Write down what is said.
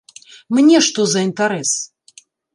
Мне што за інтарэс?